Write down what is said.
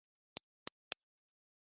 これ、なんですか